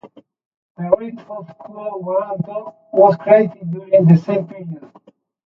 The writ of "quo warranto" was created during this same period.